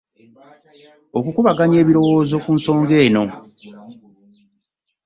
Okukubaganya ebirowoozo ku nsonga eno.